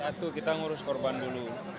satu kita ngurus korban dulu